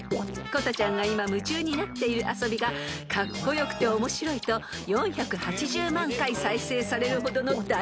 ［コタちゃんが今夢中になっている遊びがカッコ良くて面白いと４８０万回再生されるほどの大人気］